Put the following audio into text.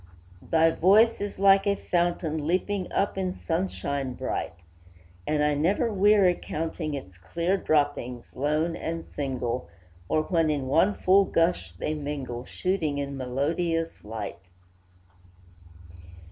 Thy voice is like a fountain Leaping up in sunshine bright, And I never weary counting Its clear droppings, lone and single, Or when in one full gush they mingle, Shooting in melodious light.